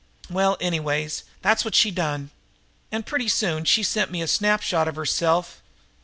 "Well, anyways, that's what she done. And pretty soon she sent me a snapshot of herself.